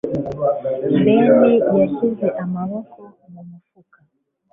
Ben yashyize amaboko mu mufuka.